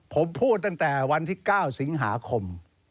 ผมพูดตั้งแต่วันที่๙สิงหาคม